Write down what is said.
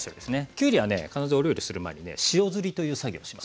きゅうりはね必ずお料理する前にね塩ずりという作業をします。